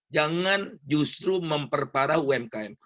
jangan justru memperparah umkm